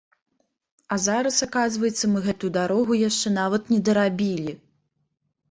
А зараз аказваецца, мы гэтую дарогу яшчэ нават не дарабілі!